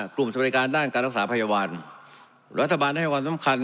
๕กลุ่มสมัยการด้านการรักษาพยาวันรัฐบาลได้ให้ความสำคัญ